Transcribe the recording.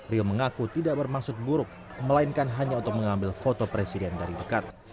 rio mengaku tidak bermaksud buruk melainkan hanya untuk mengambil foto presiden dari dekat